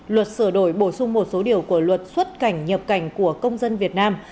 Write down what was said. luật sửa đổi bổ sung một số điều của luật xuất cảnh nhập cảnh của công dân việt nam